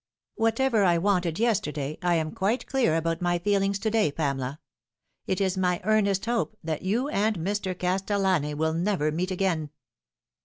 " Whatever I wanted yesterday, I am quite clear about my feelings to day, Pamela. It is my earnest hope that you and Mr. Castellani will never meet again."